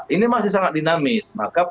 ini masih sangat dinamis maka